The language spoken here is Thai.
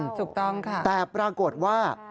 ถูกต้องค่ะใช่ค่ะใช่แต่ปรากฏว่า